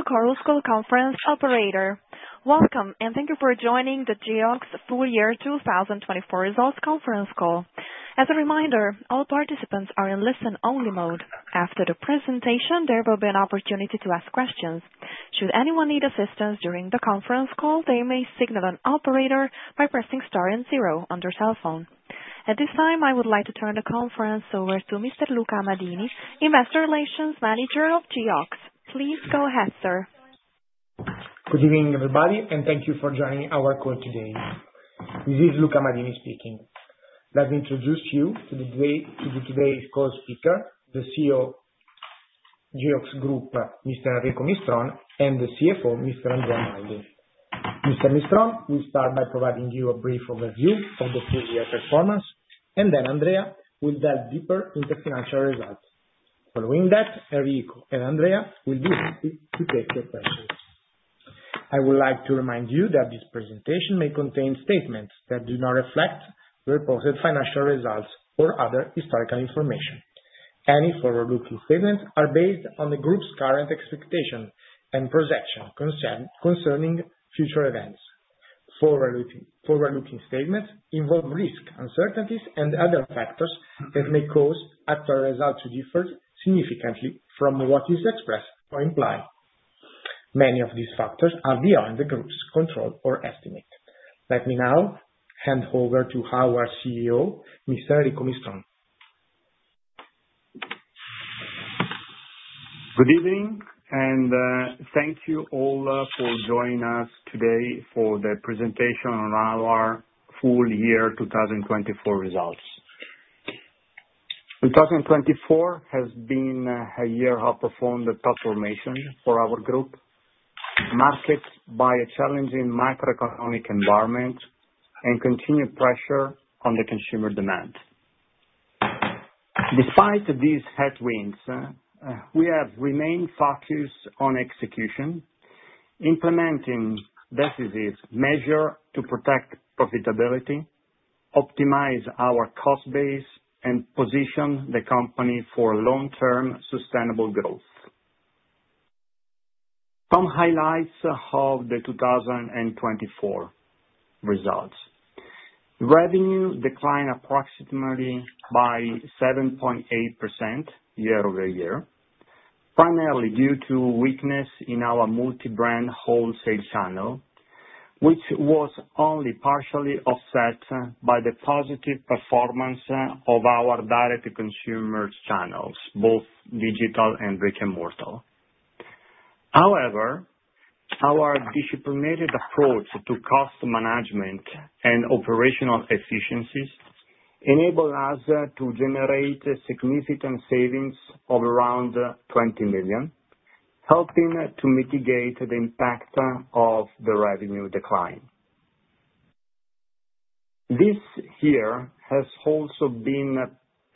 This is the Chorus Call conference operator. Welcome, and thank you for joining the Geox Full Year 2024 Results Conference Call. As a reminder, all participants are in listen-only mode. After the presentation, there will be an opportunity to ask questions. Should anyone need assistance during the conference call, they may signal an operator by pressing star and zero on their cell phone. At this time, I would like to turn the conference over to Mr. Luca Amadini, Investor Relations Manager of Geox. Please go ahead, sir. Good evening, everybody, and thank you for joining our call today. This is Luca Amadini speaking. Let me introduce you to today's call speaker, the CEO of Geox Group, Mr. Enrico Mistron, and the CFO, Mr. Andrea Maldi. Mr. Mistron will start by providing you a brief overview of the full year performance, and then Andrea will delve deeper into financial results. Following that, Enrico and Andrea will be happy to take your questions. I would like to remind you that this presentation may contain statements that do not reflect the proposed financial results or other historical information. Any forward-looking statements are based on the group's current expectation and projection concerning future events. Forward-looking statements involve risk, uncertainties, and other factors that may cause actual results to differ significantly from what is expressed or implied. Many of these factors are beyond the group's control or estimate. Let me now hand over to our CEO, Mr. Enrico Mistron. Good evening, and thank you all for joining us today for the presentation on our full year 2024 results. 2024 has been a year of profound transformation for our group, marked by a challenging macroeconomic environment and continued pressure on the consumer demand. Despite these headwinds, we have remained focused on execution, implementing decisive measures to protect profitability, optimize our cost base, and position the company for long-term sustainable growth. Some highlights of the 2024 results: revenue declined approximately by 7.8% year-over-year, primarily due to weakness in our multi-brand wholesale channel, which was only partially offset by the positive performance of our direct-to-consumer channels, both digital and brick-and-mortar. However, our disciplined approach to cost management and operational efficiencies enabled us to generate significant savings of around 20 million, helping to mitigate the impact of the revenue decline. This year has also been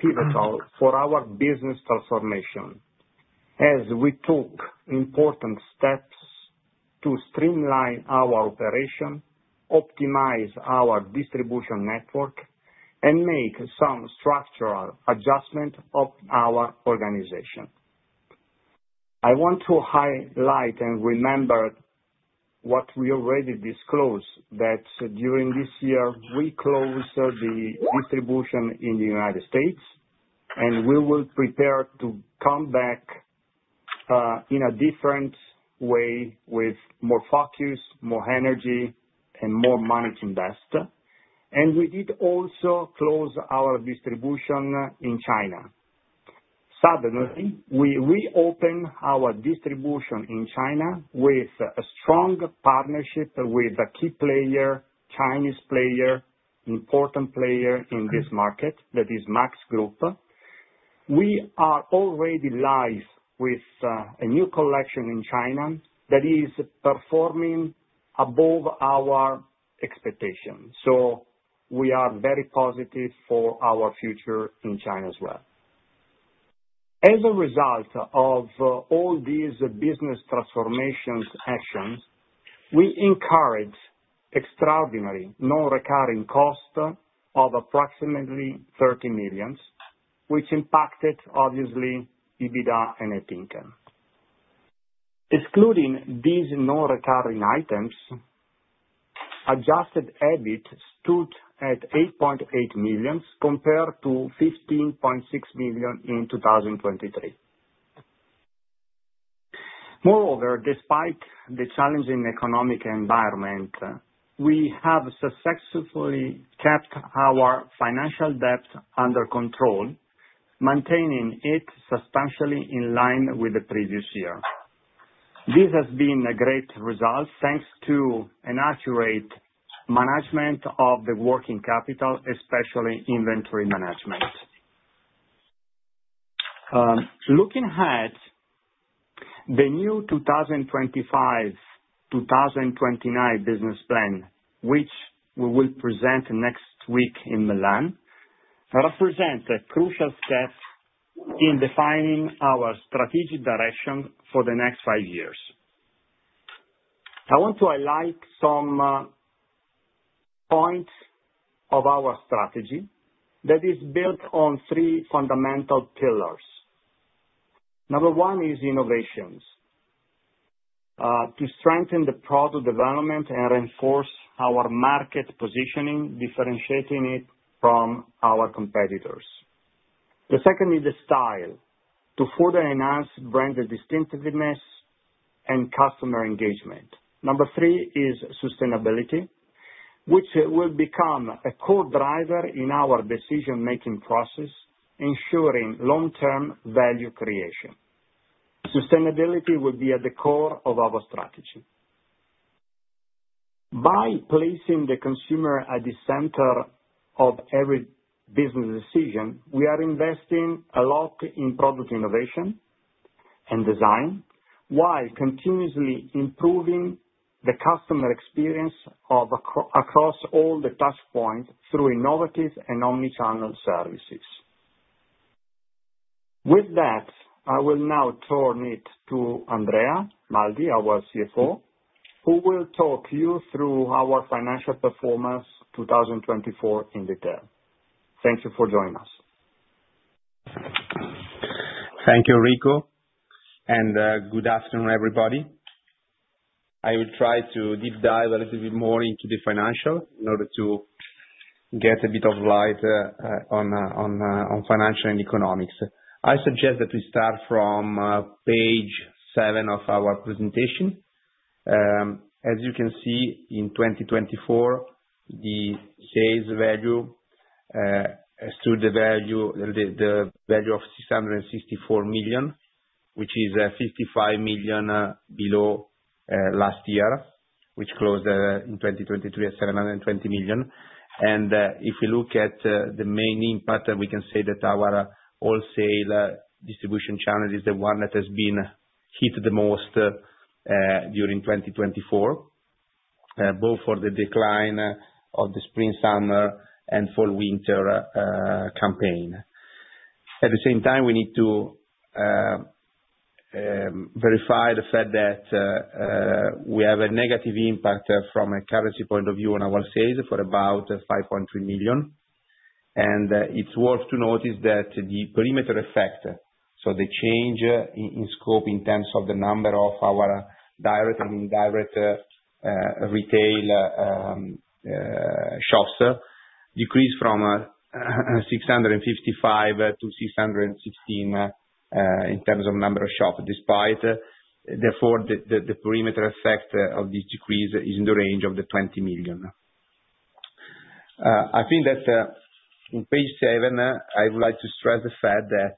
pivotal for our business transformation, as we took important steps to streamline our operation, optimize our distribution network, and make some structural adjustments of our organization. I want to highlight and remember what we already disclosed, that during this year, we closed the distribution in the United States, and we were prepared to come back in a different way with more focus, more energy, and more money to invest. We did also close our distribution in China. Suddenly, we reopened our distribution in China with a strong partnership with a key player, Chinese player, important player in this market, that is MACS Group. We are already live with a new collection in China that is performing above our expectations. We are very positive for our future in China as well. As a result of all these business transformation actions, we incurred extraordinary non-recurring costs of approximately 30 million, which impacted, obviously, EBITDA and net income. Excluding these non-recurring items, adjusted EBIT stood at 8.8 million compared to 15.6 million in 2023. Moreover, despite the challenging economic environment, we have successfully kept our financial debt under control, maintaining it substantially in line with the previous year. This has been a great result thanks to an accurate management of the working capital, especially inventory management. Looking ahead, the new 2025-2029 business plan, which we will present next week in Milan, represents a crucial step in defining our strategic direction for the next five years. I want to highlight some points of our strategy that is built on three fundamental pillars. Number one is innovations to strengthen the product development and reinforce our market positioning, differentiating it from our competitors. The second is the style to further enhance brand distinctiveness and customer engagement. Number three is sustainability, which will become a core driver in our decision-making process, ensuring long-term value creation. Sustainability will be at the core of our strategy. By placing the consumer at the center of every business decision, we are investing a lot in product innovation and design while continuously improving the customer experience across all the touchpoints through innovative and omnichannel services. With that, I will now turn it to Andrea Maldi, our CFO, who will talk you through our financial performance 2024 in detail. Thank you for joining us. Thank you, Enrico, and good afternoon, everybody. I will try to deep dive a little bit more into the financial in order to get a bit of light on financial and economics. I suggest that we start from page seven of our presentation. As you can see, in 2024, the sales value stood at the value of 664 million, which is 55 million below last year, which closed in 2023 at 720 million. If we look at the main impact, we can say that our wholesale distribution challenge is the one that has been hit the most during 2024, both for the decline of the spring-summer and fall-winter campaign. At the same time, we need to verify the fact that we have a negative impact from a currency point of view on our sales for about 5.3 million. It is worth to notice that the perimeter effect, so the change in scope in terms of the number of our direct and indirect retail shops, decreased from 655 to 616 in terms of number of shops. Despite therefore, the perimeter effect of this decrease is in the range of the 20 million. I think that on page seven, I would like to stress the fact that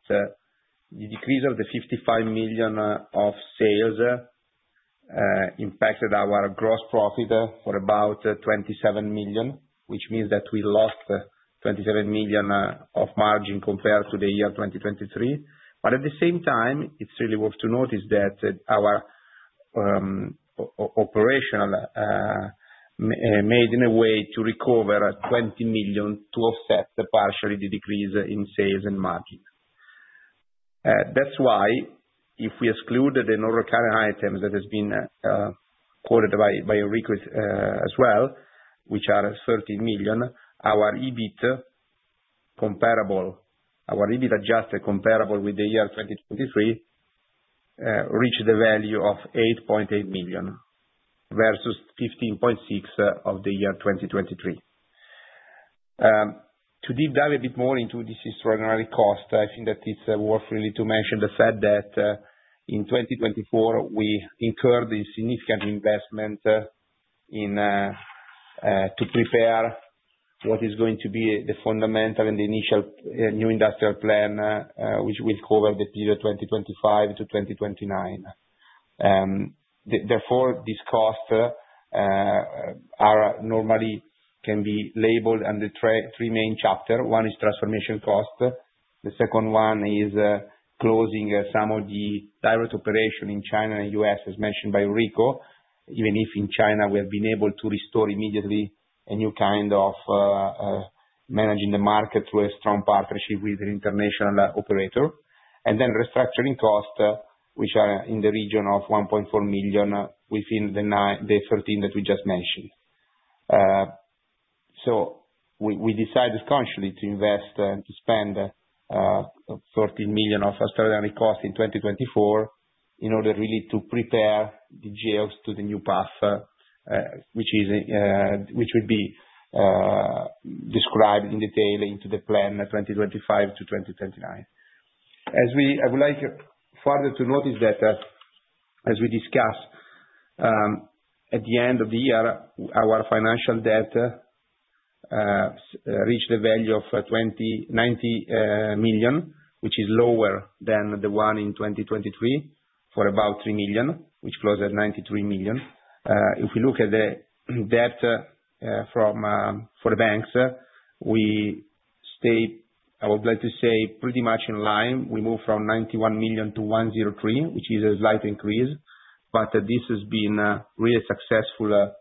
the decrease of the 55 million of sales impacted our gross profit for about 27 million, which means that we lost 27 million of margin compared to the year 2023. At the same time, it is really worth to notice that our operation made in a way to recover 20 million to offset partially the decrease in sales and margin. That's why if we exclude the non-recurring items that have been quoted by Enrico as well, which are 13 million, our EBIT adjusted comparable with the year 2023 reached the value of 8.8 million versus 15.6 million of the year 2023. To deep dive a bit more into this extraordinary cost, I think that it's worth really to mention the fact that in 2024, we incurred a significant investment to prepare what is going to be the fundamental and the initial new industrial plan, which will cover the period 2025 to 2029. Therefore, these costs normally can be labeled under three main chapters. One is transformation cost. The second one is closing some of the direct operation in China and the U.S., as mentioned by Enrico, even if in China we have been able to restore immediately a new kind of managing the market through a strong partnership with an international operator. Then restructuring costs, which are in the region of 1.4 million within the 13 million that we just mentioned. We decided consciously to invest and to spend 13 million of extraordinary costs in 2024 in order really to prepare the Geox to the new path, which would be described in detail into the plan 2025 to 2029. I would like further to notice that as we discussed at the end of the year, our financial debt reached the value of 90 million, which is lower than the one in 2023 for about 3 million, which closed at 93 million. If we look at the debt for the banks, we stayed, I would like to say, pretty much in line. We moved from 91 million to 103 million, which is a slight increase. This has been a really successful,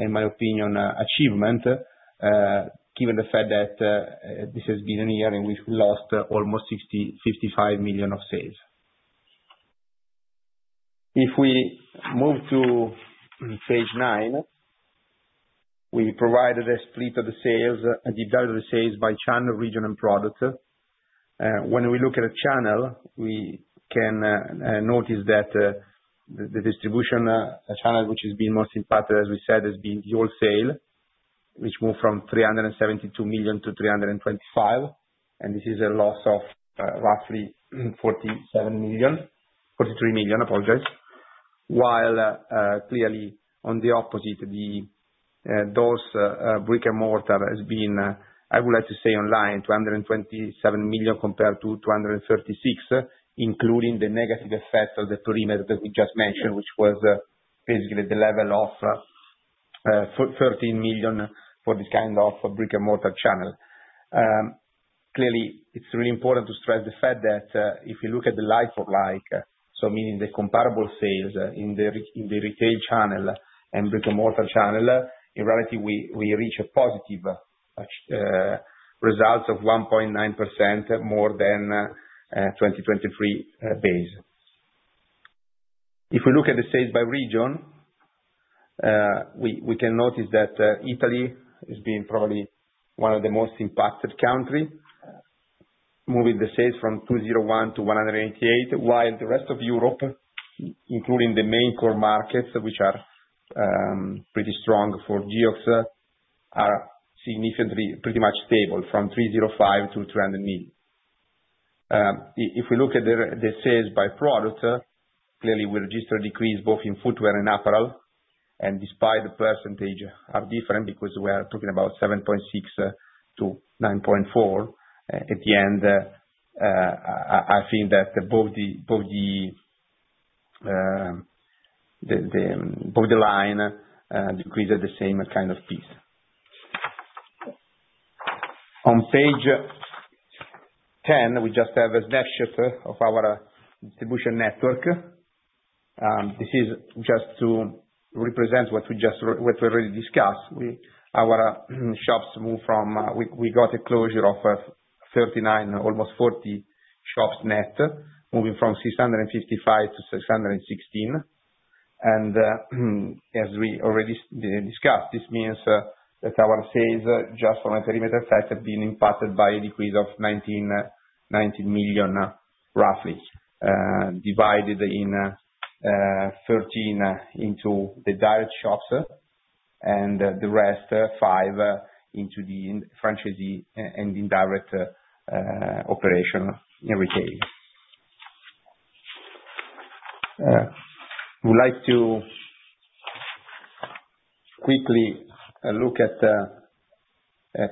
in my opinion, achievement, given the fact that this has been a year in which we lost almost 55 million of sales. If we move to page nine, we provided a split of the sales, a deep dive of the sales by channel, region, and product. When we look at a channel, we can notice that the distribution channel, which has been most impacted, as we said, has been the wholesale, which moved from 372 million to 325 million. This is a loss of roughly 43 million, apologies. While clearly on the opposite, those brick-and-mortar has been, I would like to say, in line, 227 million compared to 236 million, including the negative effect of the perimeter that we just mentioned, which was basically the level of 13 million for this kind of brick-and-mortar channel. Clearly, it's really important to stress the fact that if you look at the like-for-like, so meaning the comparable sales in the retail channel and brick-and-mortar channel, in reality, we reach a positive result of 1.9% more than the 2023 base. If we look at the sales by region, we can notice that Italy has been probably one of the most impacted countries, moving the sales from 201 million to 188 million, while the rest of Europe, including the main core markets, which are pretty strong for Geox, are significantly pretty much stable from 305 million to 300 million. If we look at the sales by product, clearly, we registered a decrease both in footwear and apparel. Despite the percentage being different because we are talking about 7.6 million to 9.4 million, at the end, I think that both the line decreased at the same kind of pace. On page ten, we just have a snapshot of our distribution network. This is just to represent what we already discussed. Our shops moved from we got a closure of 39, almost 40 shops net, moving from 655 million to 616 million. As we already discussed, this means that our sales just from a perimeter effect have been impacted by a decrease of 19 million, roughly, divided in 13 million into the direct shops and the rest 5 million into the franchisee and indirect operation in retail. I would like to quickly look at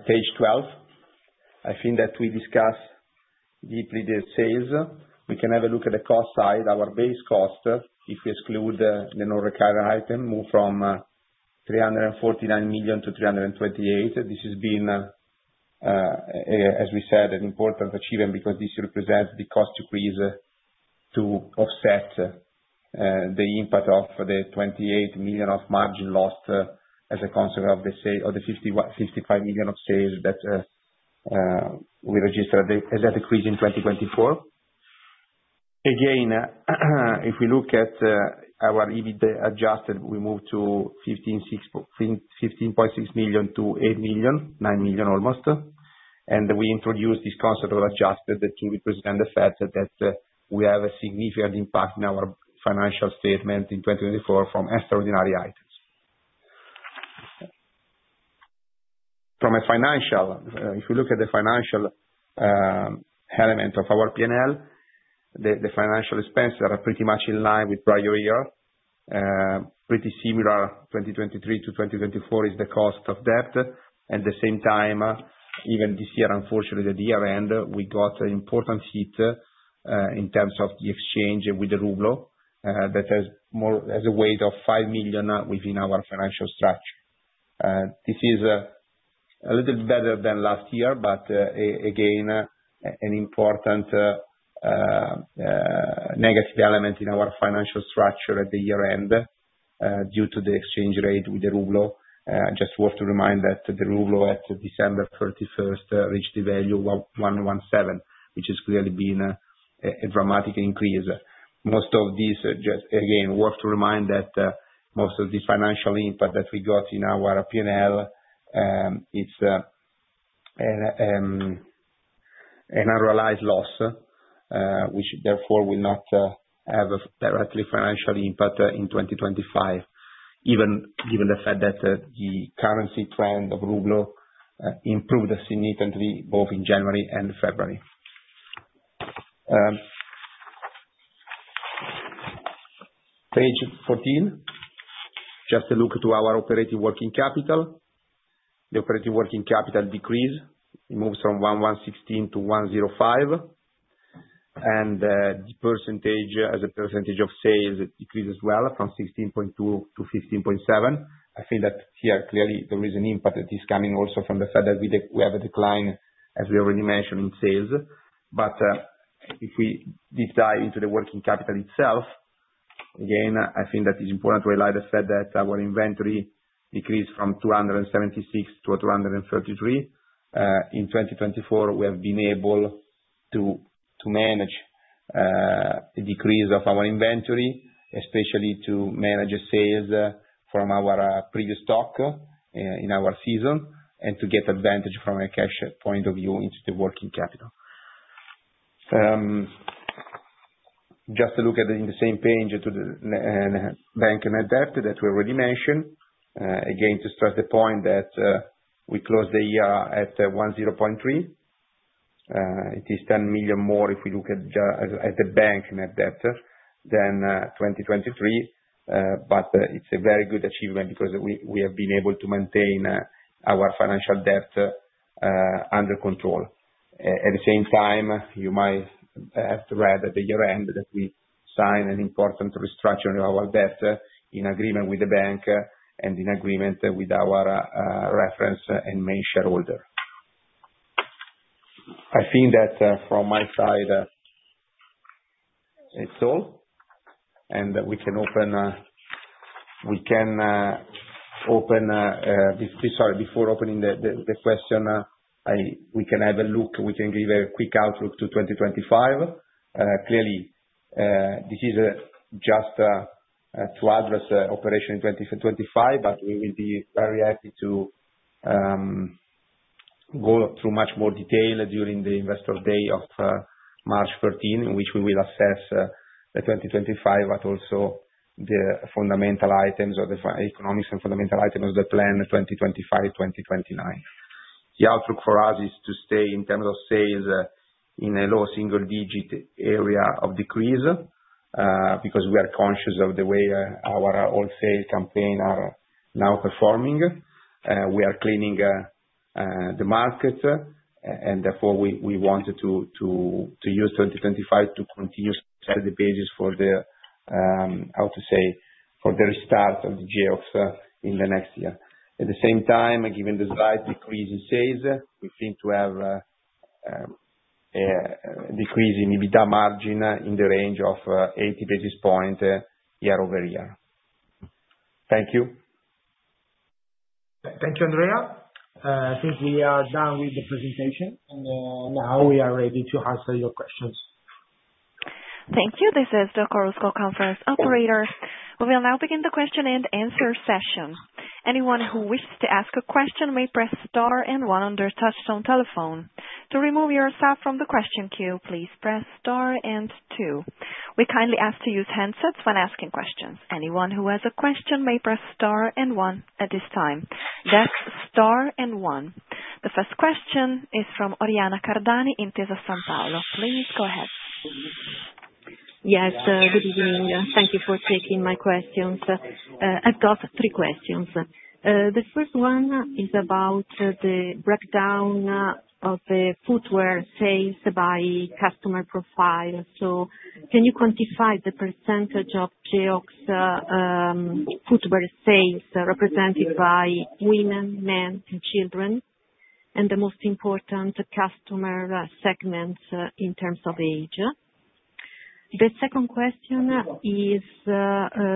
page 12. I think that we discussed deeply the sales. We can have a look at the cost side, our base cost, if we exclude the non-recurring item, moved from 349 million to 328 million. This has been, as we said, an important achievement because this represents the cost decrease to offset the impact of the 28 million of margin lost as a consequence of the 55 million of sales that we registered as a decrease in 2024. Again, if we look at our EBITDA adjusted, we moved to 15.6 million to 8 million, 9 million almost. And we introduced this concept of adjusted to represent the fact that we have a significant impact in our financial statement in 2024 from extraordinary items. From a financial, if we look at the financial element of our P&L, the financial expenses are pretty much in line with prior year. Pretty similar 2023 to 2024 is the cost of debt. At the same time, even this year, unfortunately, the year-end, we got an important hit in terms of the exchange with the ruble that has a weight of 5 million within our financial structure. This is a little better than last year, but again, an important negative element in our financial structure at the year-end due to the exchange rate with the ruble. Just worth to remind that the ruble at December 31st reached the value of 117, which has clearly been a dramatic increase. Most of these, again, worth to remind that most of the financial impact that we got in our P&L, it's an unrealized loss, which therefore will not have a directly financial impact in 2025, even given the fact that the currency trend of ruble improved significantly both in January and February. Page 14, just a look to our operating working capital. The operating working capital decreased. It moved from 116 million to 105 million. And the percentage, as a percentage of sales, decreased as well from 16.2% to 15.7%. I think that here, clearly, there is an impact that is coming also from the fact that we have a decline, as we already mentioned, in sales. If we deep dive into the working capital itself, again, I think that it's important to highlight the fact that our inventory decreased from 276 million to 233 million. In 2024, we have been able to manage a decrease of our inventory, especially to manage sales from our previous stock in our season and to get advantage from a cash point of view into the working capital. Just a look at the same page to the bank net debt that we already mentioned. Again, to stress the point that we closed the year at 10.3 million. It is 10 million more if we look at the bank net debt than 2023. It is a very good achievement because we have been able to maintain our financial debt under control. At the same time, you might have read at the year-end that we signed an important restructuring of our debt in agreement with the bank and in agreement with our reference and main shareholder. I think that from my side, it is all. We can open, sorry, before opening the question, we can have a look. We can give a quick outlook to 2025. Clearly, this is just to address operation in 2025, but we will be very happy to go through much more detail during the investor day of March 13, in which we will assess the 2025, but also the fundamental items or the economics and fundamental items of the plan 2025-2029. The outlook for us is to stay in terms of sales in a low single-digit area of decrease because we are conscious of the way our wholesale campaign is now performing. We are cleaning the market, and therefore, we wanted to use 2025 to continue to set the basis for the, how to say, for the restart of the Geox in the next year. At the same time, given the slight decrease in sales, we think to have a decrease in EBITDA margin in the range of 80 basis points year-over-year. Thank you. Thank you, Andrea. I think we are done with the presentation. Now we are ready to answer your questions. Thank you. This is the Chorus Call conference operator. We will now begin the question and answer session. Anyone who wishes to ask a question may press star and one on your touchstone telephone. To remove yourself from the question queue, please press star and two. We kindly ask you to use handsets when asking questions. Anyone who has a question may press star and one at this time. Yes, star and one. The first question is from Oriana Cardani Intesa Sanpaolo. Please go ahead. Yes, good evening. Thank you for taking my questions. I have got three questions. The first one is about the breakdown of the footwear sales by customer profile. Can you quantify the percentage of Geox footwear sales represented by women, men, and children, and the most important customer segments in terms of age? The second question is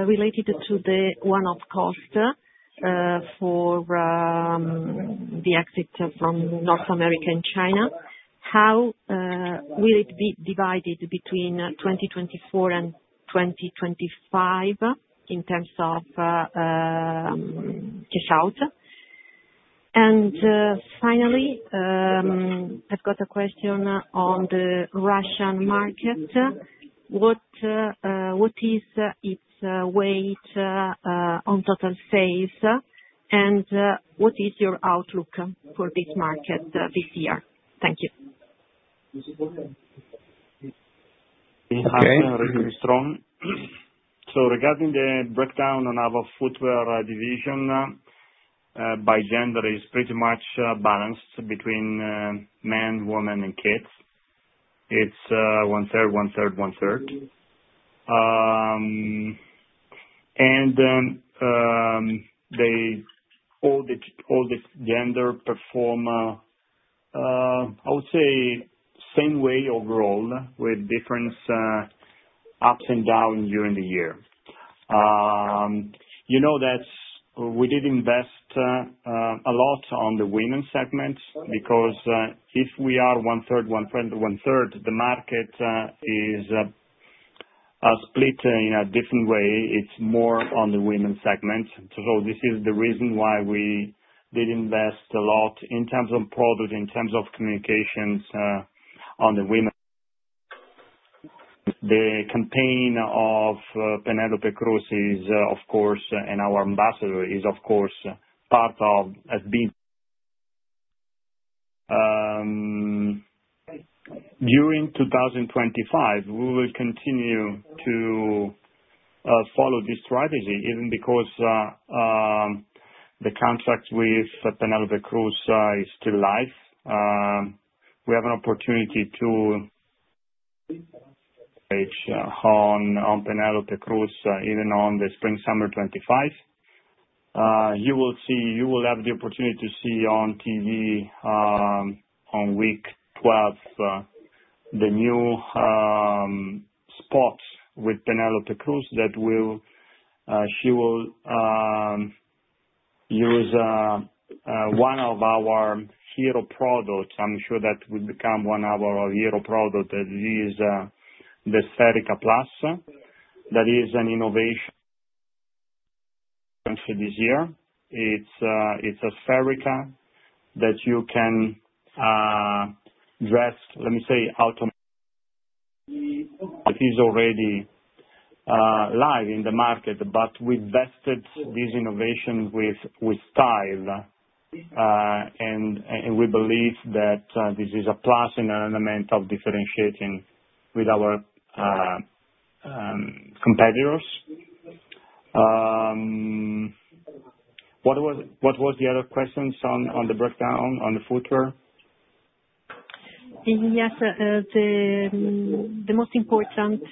related to the one-off cost for the exit from North America and China. How will it be divided between 2024 and 2025 in terms of cash out? Finally, I have got a question on the Russian market. What is its weight on total sales? What is your outlook for this market this year? Thank you. Okay. Really strong. Regarding the breakdown on our footwear division by gender, it is pretty much balanced between men, women, and kids. It is one-third, one-third, one-third. All the gender perform, I would say, same way overall with different ups and downs during the year. We did invest a lot on the women's segment because if we are one-third, one-third, one-third, the market is split in a different way. It is more on the women's segment. This is the reason why we did invest a lot in terms of product, in terms of communications on the women. The campaign of Penélope Cruz is, of course, and our ambassador is, of course, part of has been. During 2025, we will continue to follow this strategy, even because the contract with Penélope Cruz is still live. We have an opportunity to reach on Penélope Cruz, even on the spring-summer 2025. You will have the opportunity to see on TV on week 12 the new spots with Penélope Cruz that she will use one of our hero products. I am sure that will become one of our hero products, that is the Spherica Plus. That is an innovation for this year. It's a Spherica that you can dress, let me say, automatically. It is already live in the market, but we vested this innovation with style. We believe that this is a plus and an element of differentiating with our competitors. What was the other question on the breakdown on the footwear? Yes, the most important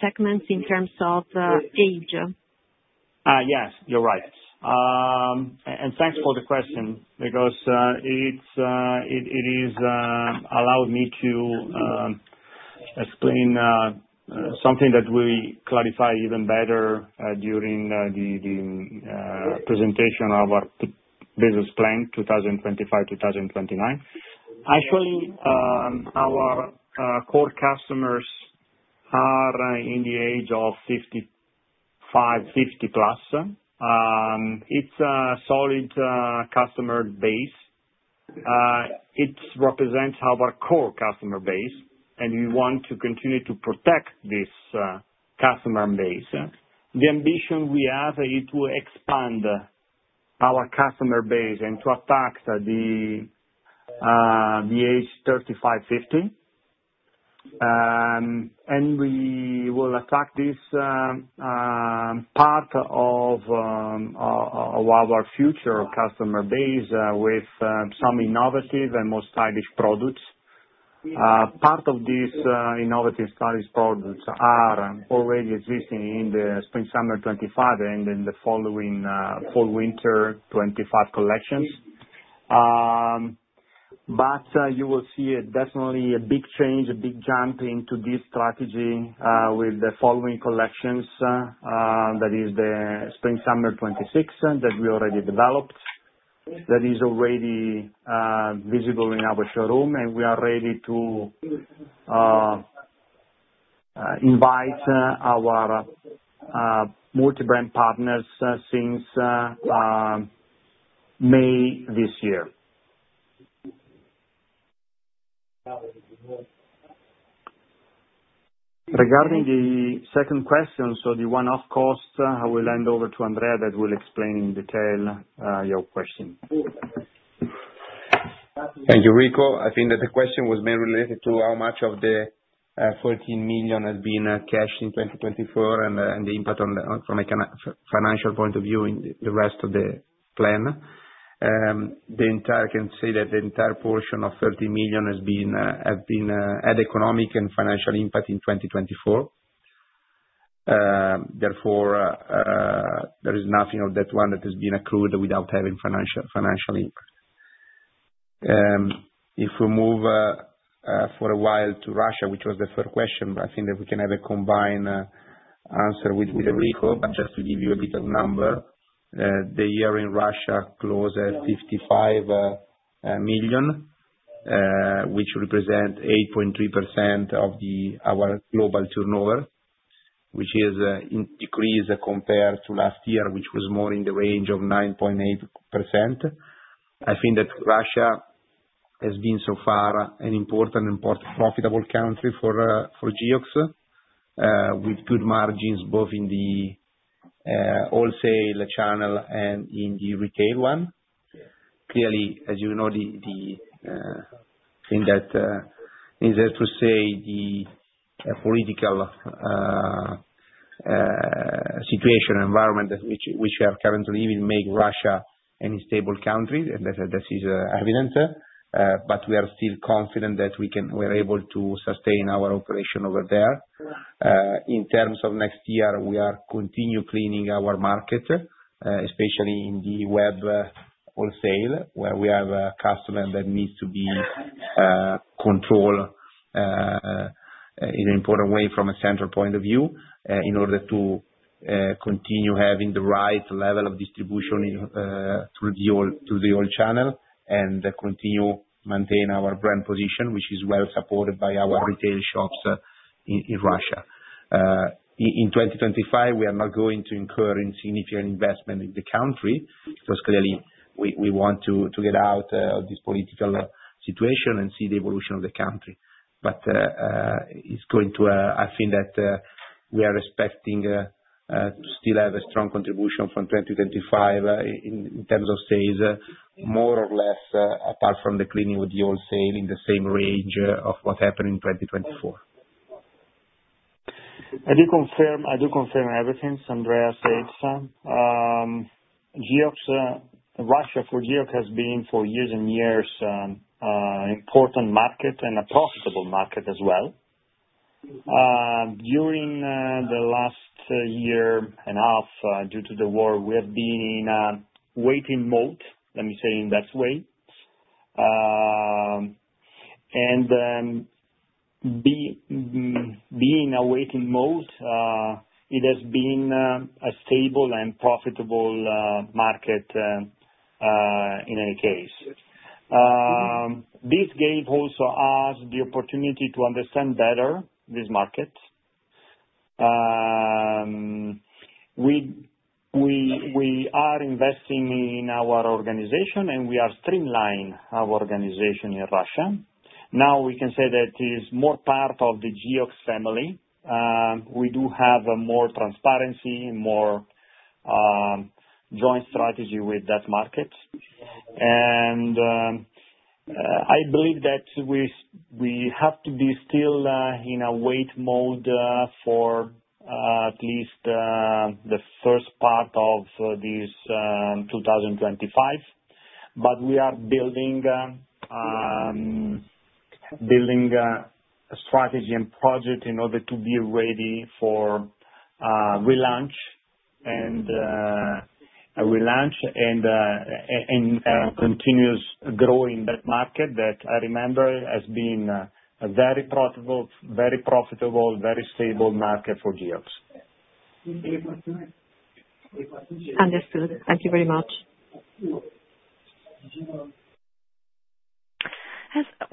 segments in terms of age. Yes, you're right. Thanks for the question because it has allowed me to explain something that we clarify even better during the presentation of our business plan 2025-2029. Actually, our core customers are in the age of 55, 50 plus. It's a solid customer base. It represents our core customer base, and we want to continue to protect this customer base. The ambition we have is to expand our customer base and to attack the age 35, 50. We will attack this part of our future customer base with some innovative and more stylish products. Part of these innovative stylish products are already existing in the spring-summer 2025 and in the following fall-winter 2025 collections. You will see definitely a big change, a big jump into this strategy with the following collections, that is the spring-summer 2026 that we already developed, that is already visible in our showroom, and we are ready to invite our multi-brand partners since May this year. Regarding the second question, the one-off cost, I will hand over to Andrea that will explain in detail your question. Thank you, Rico. I think that the question was mainly related to how much of the 14 million has been cashed in 2024 and the impact from a financial point of view in the rest of the plan. I can say that the entire portion of 13 million has had economic and financial impact in 2024. Therefore, there is nothing of that one that has been accrued without having financial impact. If we move for a while to Russia, which was the first question, I think that we can have a combined answer with Enrico, but just to give you a bit of number, the year in Russia closed at 55 million, which represents 8.3% of our global turnover, which is a decrease compared to last year, which was more in the range of 9.8%. I think that Russia has been so far an important and profitable country for Geox with good margins both in the wholesale channel and in the retail one. Clearly, as you know, I think that is to say the political situation environment, which we are currently in, makes Russia an unstable country, and that is evident. We are still confident that we are able to sustain our operation over there. In terms of next year, we are continuing cleaning our market, especially in the web wholesale, where we have a customer that needs to be controlled in an important way from a central point of view in order to continue having the right level of distribution through the whole channel and continue to maintain our brand position, which is well supported by our retail shops in Russia. In 2025, we are not going to incur insignificant investment in the country because clearly, we want to get out of this political situation and see the evolution of the country. It is going to, I think that we are expecting to still have a strong contribution from 2025 in terms of sales, more or less, apart from the cleaning with the wholesale in the same range of what happened in 2024. I do confirm everything Andrea said. Russia for Geox has been for years and years an important market and a profitable market as well. During the last year and a half, due to the war, we have been in a waiting mode, let me say in that way. Being in a waiting mode, it has been a stable and profitable market in any case. This gave also us the opportunity to understand better this market. We are investing in our organization, and we are streamlining our organization in Russia. Now we can say that it is more part of the Geox family. We do have more transparency and more joint strategy with that market. I believe that we have to be still in a wait mode for at least the first part of this 2025. We are building a strategy and project in order to be ready for relaunch and continuous growing that market that I remember has been a very profitable, very profitable, very stable market for Geox. Understood. Thank you very much.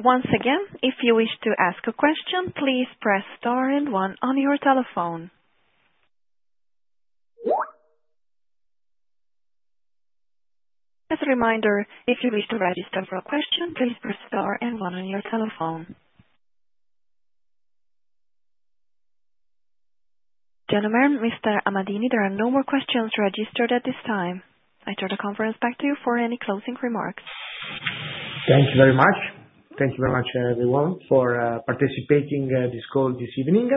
Once again, if you wish to ask a question, please press star and one on your telephone. As a reminder, if you wish to register for a question, please press star and one on your telephone. Gentlemen, Mr. Amadini, there are no more questions registered at this time. I turn the conference back to you for any closing remarks. Thank you very much. Thank you very much, everyone, for participating in this call this evening.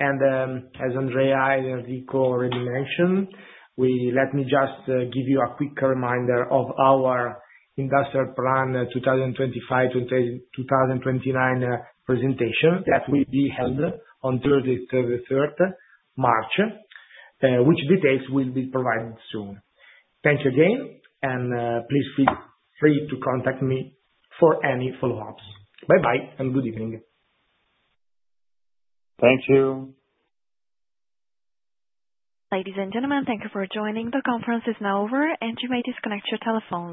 As Andrea, Enrico, and Rico already mentioned, let me just give you a quick reminder of our Industrial Plan 2025-2029 presentation that will be held on Thursday, the 13th of March, which details will be provided soon. Thank you again, and please feel free to contact me for any follow-ups. Bye-bye and good evening. Thank you. Ladies and gentlemen, thank you for joining. The conference is now over, and you may disconnect your telephone.